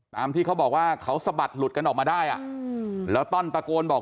ที่เขาบอกว่าเขาสะบัดหลุดกันออกมาได้อ่ะแล้วต้อนตะโกนบอก